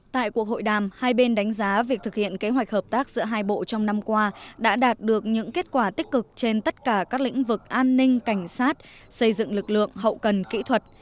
tại cuộc hội đàm hai bên đánh giá việc thực hiện kế hoạch hợp tác giữa hai bộ trong năm qua đã đạt được những kết quả tích cực trên tất cả các lĩnh vực an ninh cảnh sát xây dựng lực lượng hậu cần kỹ thuật